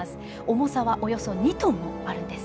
重さはおよそ２トンもあるんです。